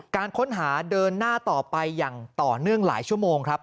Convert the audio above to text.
การค้นหาเดินหน้าต่อไปอย่างต่อเนื่องหลายชั่วโมงครับ